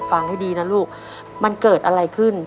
ฟังให้ดีนะลูกมันเกิดอะไรขึ้น